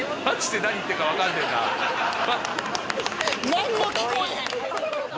何にも聞こえへん。